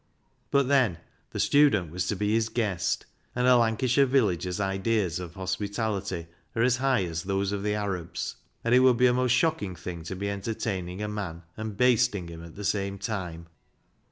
But then the student was to be his guest, and a Lancashire villager's ideas of hospitality are as high as those of the Arabs, and it would be a most shocking thing to be entertaining a man and " basting " him at the same time.